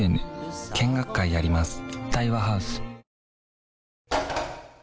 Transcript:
見学会やります